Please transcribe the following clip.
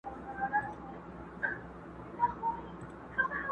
له څپو څخه د امن و بېړۍ ته!